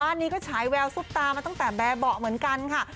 บ้านนี้ก็ใช้แววซุปตามาตั้งแต่แบบเหมือนกันค่ะ